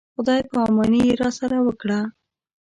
خدای په اماني یې راسره وکړه.